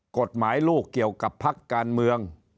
กฎหมายลูกเกี่ยวกับพกเม